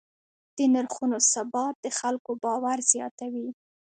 د نرخونو ثبات د خلکو باور زیاتوي.